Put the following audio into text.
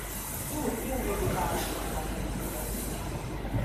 Nu, kion ili faras kun la kaptitoj?